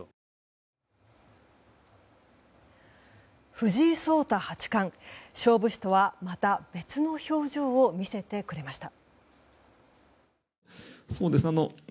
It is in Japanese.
藤井聡太八冠勝負師とはまた別の表情を見せてくれました。